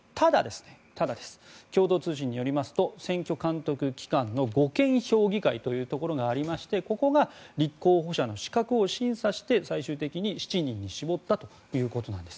ただ、共同通信によりますと選挙監督機関の護憲評議会というところがありましてここが立候補者の資格を審査して最終的に７人に絞ったということです。